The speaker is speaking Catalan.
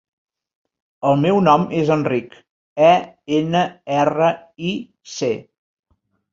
El meu nom és Enric: e, ena, erra, i, ce.